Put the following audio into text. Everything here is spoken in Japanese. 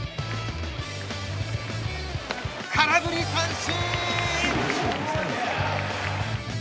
空振り三振！